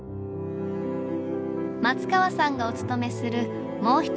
松川さんがお務めするもう一つのお寺。